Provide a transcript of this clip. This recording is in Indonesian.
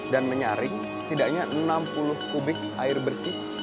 dan menyaring setidaknya enam puluh kubik air bersih